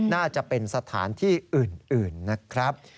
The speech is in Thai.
น่าจะเป็นสถานที่อื่นนะครับ